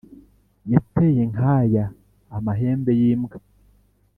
Yateye nkaya amahembe y'imbwa